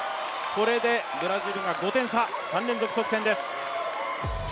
これでブラジルが５点差３連続得点です。